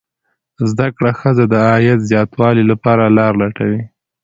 زده کړه ښځه د عاید زیاتوالي لپاره لارې لټوي.